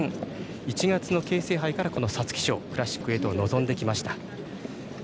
１月の京成杯から皐月賞クラシックへと臨んできました。